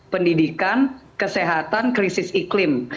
pendidikan kesehatan krisis iklim